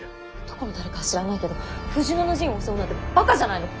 どこの誰かは知らないけど富士野の陣を襲うなんてばかじゃないの。